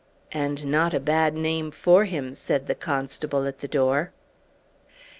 "And not a bad name for him," said the constable at the door.